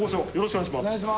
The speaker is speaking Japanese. ・お願いします